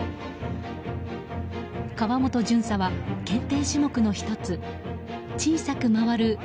川本巡査は検定種目の１つ小さく回る